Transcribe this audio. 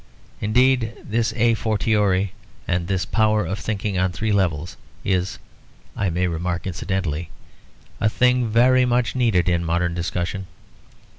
Indeed this a fortiori, and this power of thinking on three levels, is (I may remark incidentally) a thing very much needed in modern discussion.